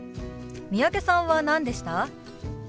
三宅さんは何でした？